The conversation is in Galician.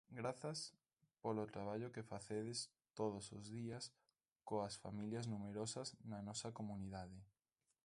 Grazas polo traballo que facedes todos os días coas familias numerosas na nosa comunidade.